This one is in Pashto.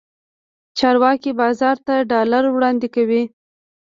چارواکي بازار ته ډالر وړاندې کوي.